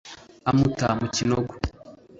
amuta mu kinogo